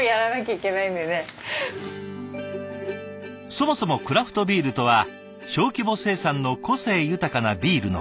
そもそもクラフトビールとは小規模生産の個性豊かなビールのこと。